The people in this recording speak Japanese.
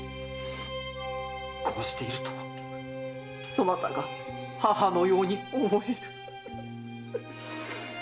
こうしているとそなたが母のように思える！